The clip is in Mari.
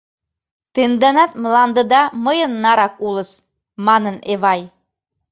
Тенданат мландыда мыйын нарак улыс! — манын Эвай.